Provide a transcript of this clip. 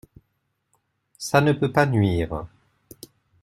Ca ne peut pas nuire…